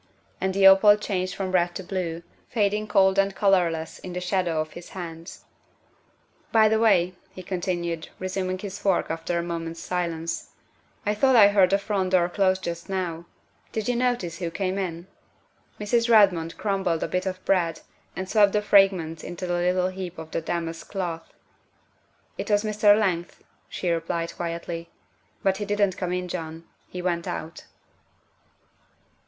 And the opal changed from red to blue, fading cold and colorless in the shadow of his hands. '' By the way, '' he continued, resuming his fork after a moment's silence, " I thought I heard the front door close just now. Did you notice who came in?" Mrs. Redmond crumbled a bit of bread and swept the fragments into a little heap on the damask cloth. " It was Mr. Leigh," she replied quietly, " but he didn't come in, John, he went out."